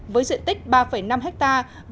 với diện tích ba năm hectare